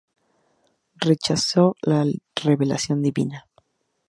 Rechazó la revelación divina.